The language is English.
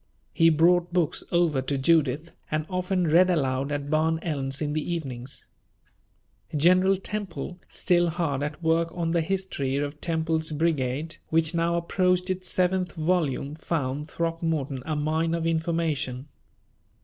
He brought books over to Judith, and often read aloud at Barn Elms in the evenings. General Temple, still hard at work on the History of Temple's Brigade, which now approached its seventh volume, found Throckmorton a mine of information.